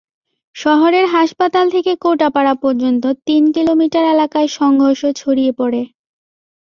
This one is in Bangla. শহরের হাসপাতাল থেকে কোটাপাড়া পর্যন্ত তিন কিলোমিটার এলাকায় সংঘর্ষ ছড়িয়ে পড়ে।